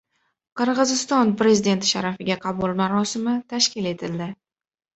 Qirg‘iziston Prezidenti sharafiga qabul marosimi tashkil etildi